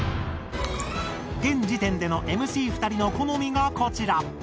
現時点でのＭＣ２人の好みがこちら。